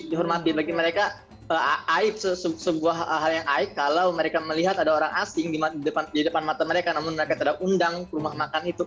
dihormati bagi mereka aib sebuah hal yang aib kalau mereka melihat ada orang asing di depan mata mereka namun mereka tidak undang ke rumah makan itu